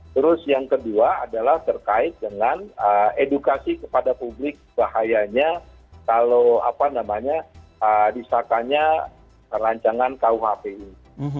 terus yang kedua adalah terkait dengan edukasi kepada publik bahayanya kalau apa namanya disahkannya rancangan kuhp ini